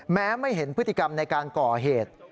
ไม่เห็นพฤติกรรมในการก่อเหตุ